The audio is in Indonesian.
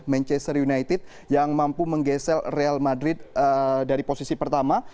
manchester united yang mampu menggesel real madrid dari posisi pertama